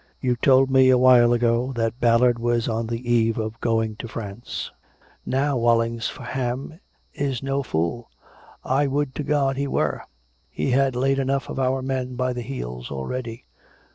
You told me a while ago that Bal lard was on the eve of going to France. Now Walsingham is no fool. I would to God he were! He has laid enough of our men by the heels already."